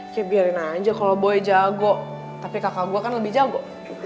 saya biarin aja kalau boy jago tapi kakak gue kan lebih jago